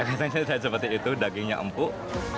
kayaknya jadi seperti itu dagingnya empuk